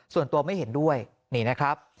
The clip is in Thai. ส่วนตัวไม่เห็นด้วยนี่นะครับ